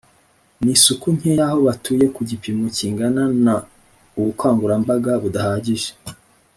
Na isuku nke y aho batuye ku gipimo kingana na n ubukangurambaga budahagije